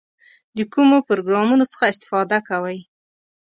د کومو پروګرامونو څخه استفاده کوئ؟